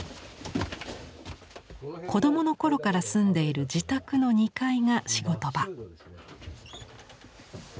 子供の頃から住んでいる自宅の２階が仕事場。